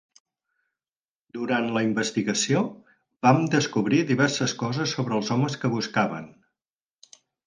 Durant la investigació vam descobrir diverses coses sobre els homes que buscaven.